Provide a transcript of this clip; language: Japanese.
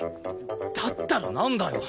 だったらなんだよ？